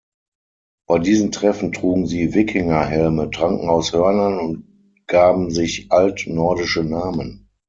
Bei diesen Treffen trugen sie Wikinger-Helme, tranken aus Hörnern und gaben sich alt-nordische Namen.